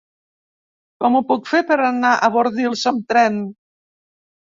Com ho puc fer per anar a Bordils amb tren?